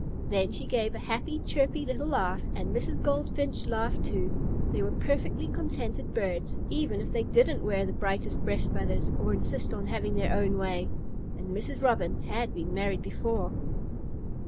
Then she gave a happy, chirpy little laugh, and Mrs. Goldfinch laughed, too. They were perfectly contented birds, even if they didn't wear the brightest breast feathers or insist on having their own way. And Mrs. Robin had been married before.